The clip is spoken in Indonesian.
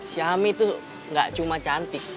si ami tuh gak cuma cantik